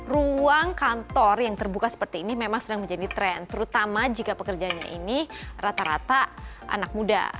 ruang kantor yang terbuka seperti ini memang sedang menjadi tren terutama jika pekerjanya ini rata rata anak muda